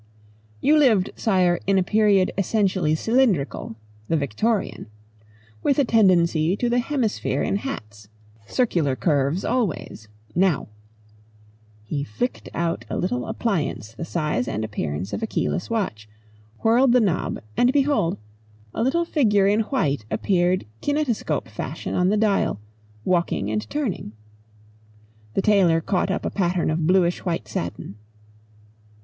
"You lived, Sire, in a period essentially cylindrical the Victorian. With a tendency to the hemisphere in hats. Circular curves always. Now " He flicked out a little appliance the size and appearance of a keyless watch, whirled the knob, and behold a little figure in white appeared kinetoscope fashion on the dial, walking and turning. The tailor caught up a pattern of bluish white satin.